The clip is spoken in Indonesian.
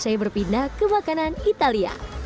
saya berpindah ke makanan italia